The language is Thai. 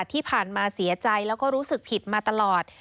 ที่ผ่านมาเสียใจแล้วก็รู้สึกผิดมาตลอด